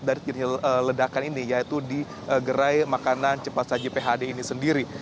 dan juga nanti setelah ledakan ini yaitu di gerai makanan cepat saji phd ini sendiri